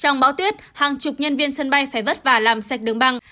trong bão tuyết hàng chục nhân viên sân bay phải vất vả làm sạch đường băng